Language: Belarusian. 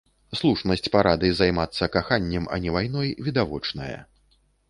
Слушнасць парады займацца каханнем, а не вайной відавочная.